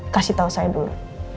kasih tau saya dulu